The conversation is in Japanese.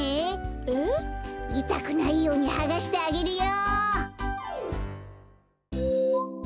えっ？いたくないようにはがしてあげるよ。